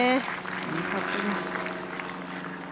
いいパットです。